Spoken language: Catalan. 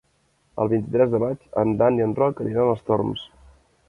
El vint-i-tres de maig en Dan i en Roc aniran als Torms.